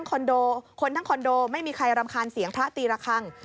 คอนโดคนทั้งคอนโดไม่มีใครรำคาญเสียงพระตีระคัง